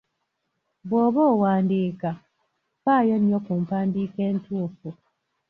Bw'oba owandiika, faayo nnyo ku mpadiika entuufu.